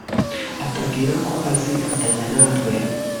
atubwira ko azifatanya natwe